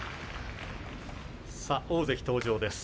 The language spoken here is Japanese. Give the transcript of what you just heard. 大関登場です。